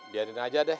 biarin aja deh